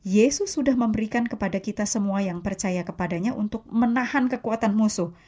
yesus sudah memberikan kepada kita semua yang percaya kepadanya untuk menahan kekuatan musuh